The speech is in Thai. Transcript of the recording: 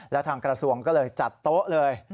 และทางกระทรวงก็เลยจัดโต๊ะเลย